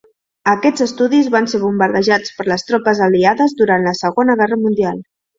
Aquests estudis van ser bombardejats per les tropes aliades durant la Segona Guerra Mundial.